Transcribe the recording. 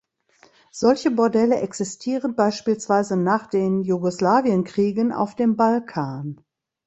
Solche Bordelle existierten beispielsweise nach den Jugoslawienkriegen auf dem Balkan.